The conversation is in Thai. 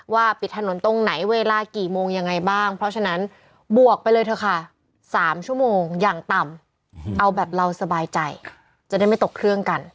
ปิดถนนตรงไหนเวลากี่โมงยังไงบ้างเพราะฉะนั้นบวกไปเลยเถอะค่ะ๓ชั่วโมงอย่างต่ำเอาแบบเราสบายใจจะได้ไม่ตกเครื่องกัน